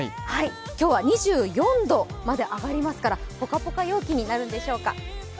今日は２４度まで上がりますからぽかぽか陽気になるんでしょうか。